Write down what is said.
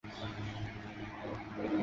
就隆系毛利家初代。